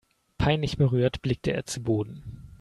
Peinlich berührt blickte er zu Boden.